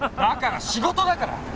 だから仕事だから！